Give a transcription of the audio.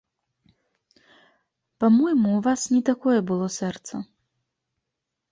Па-мойму, у вас не такое было сэрца.